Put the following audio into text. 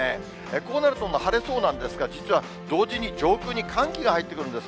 こうなると晴れそうなんですが、実は同時に上空に寒気が入ってくるんです。